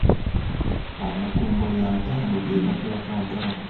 Amagombolola ataano ge gakola Kampala.